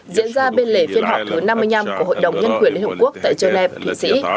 diễn ra bên lề phiên họp thứ năm mươi năm của hội đồng nhân quyền liên hợp quốc tại geneva thụy sĩ